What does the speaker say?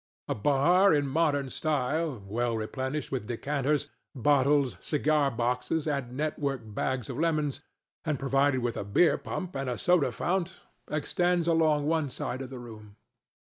A bar in modern style, well replenished with decanters, bottles, cigar boxes and network bags of lemons, and provided with a beer pump and a soda fount, extends along one side of the room.